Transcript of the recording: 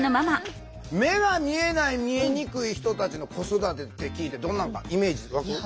目が見えない見えにくい人たちの子育てって聞いてどんなんかイメージ湧く？